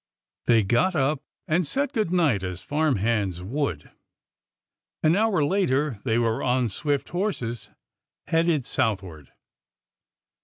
They got up and said good night as farm hands would. An hour later they were on swift horses, headed south ward.